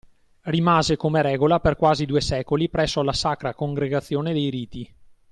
Rimase come regola per quasi due secoli presso la Sacra Congregazione dei Riti.